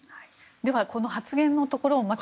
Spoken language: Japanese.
ではこの発言のところを。